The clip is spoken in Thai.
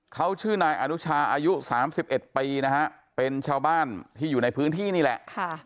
เขาชื่อนายอนุชาอายุ๓๑ปีนะฮะเป็นชาวบ้านที่อยู่ในพื้นที่นี่แหละ